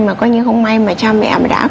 mà coi như không may mà cha mẹ đã